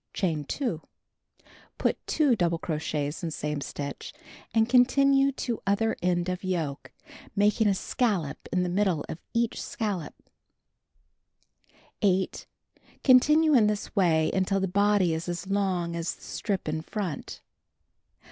Chain 2. 236 Knitting and Crocheting Book Put 2 double crochrts in same stitch, and continue to other end of yoke, making a scallop in the middle of each scallop. 8. Continue in this way until the body is as long as the strip in front.